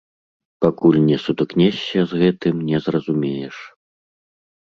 Пакуль не сутыкнешся з гэтым, не зразумееш.